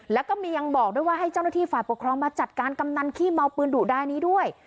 แล้วก็มียังบอกด้วยว่าให้เจ้าหน้าที่ฝ่ายปกครองมาจัดการกำนันขี้เมาปืนดุดายนี้ด้วย